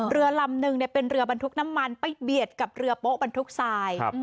เรือลำนึงเป็นเรือบรรทุกน้ำมันไปเบียดกับเรือโป๊บรรทุกทราย